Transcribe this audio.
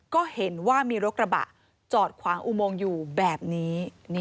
ก็เห็นว่ามีรถกระบะจอดขวางอุโมงอยู่แบบนี้